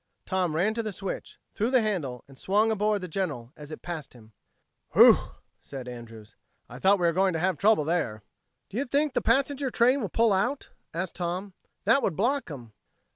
Tom ran to the switch, threw the handle, and swung aboard the General as it passed him. "Whew!" said Andrews. "I thought we were going to have trouble there." "Do you think the passenger train will pull out?" asked Tom. "That would block 'em."